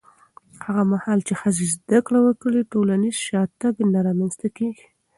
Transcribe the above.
هغه مهال چې ښځې زده کړه وکړي، ټولنیز شاتګ نه رامنځته کېږي.